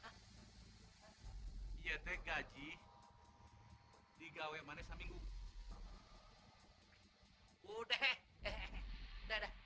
aku berdua agak mecus kerja tau